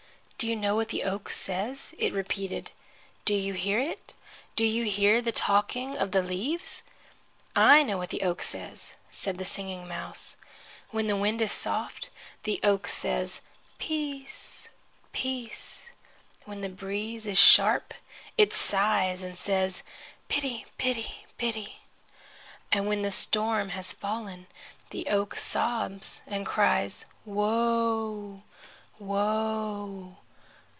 "Do you know what the oak says?" it repeated. "Do you hear it? Do you hear the talking of the leaves?... "I know what the oak says," said the Singing Mouse. "When the wind is soft, the oak says: 'Peace! Peace!' When the breeze is sharp it sighs and says: 'Pity! Pity! Pity!' And when the storm has fallen, the oak sobs and cries: 'Woe! Woe!